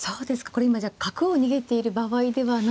これ今じゃあ角を逃げている場合ではなく。